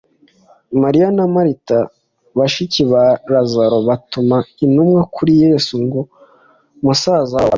Mariya na Marita bashiki ba Lazaro batuma intumwa kuri yesu ko musaza wabo arwaye cyane